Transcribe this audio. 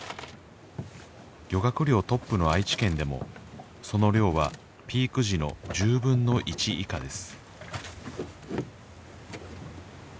漁獲量トップの愛知県でもその量はピーク時の１０分の１以下です